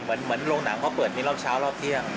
เหมือนโรงหนังเขาเปิดมีรอบเช้ารอบเที่ยง